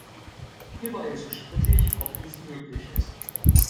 Hierbei ist strittig, ob dies möglich ist.